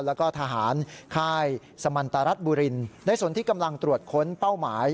แล้วก็ทหารค่ายสมันตรรัฐบุรินในส่วนที่กำลังตรวจค้นเป้าหมาย